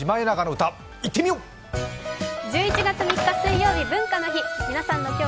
１１月３日水曜日、文化の日。